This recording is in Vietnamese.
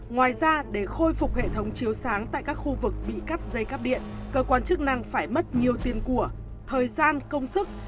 ngoài ra để khôi phục hệ thống chiếu sáng tại các khu vực bị cắt dây cắp điện cơ quan chức năng phải mất nhiều tiền của thời gian công sức